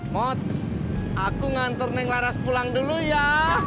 mot aku ngantur neng laras pulang dulu ya